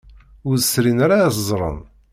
Ur srin ara ad ẓren.